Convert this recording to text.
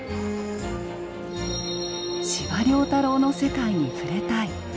司馬太郎の世界に触れたい。